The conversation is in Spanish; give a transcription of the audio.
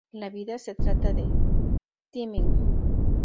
La vida se trata de "timing".